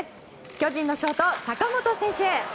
巨人のショート、坂本選手。